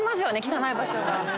汚い場所が。